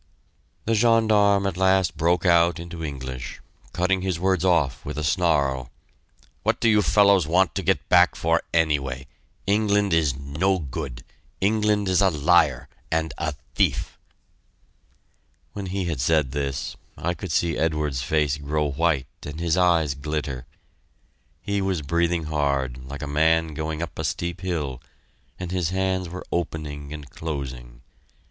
The gendarme at last broke out into English, cutting his words off with a snarl: "What do you fellows want to get back for anyway? England is no good! England is a liar, and a thief." When he said this, I could see Edwards's face grow white and his eyes glitter. He was breathing hard, like a man going up a steep hill, and his hands were opening and closing.